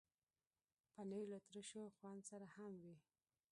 پنېر له ترشو خوند سره هم وي.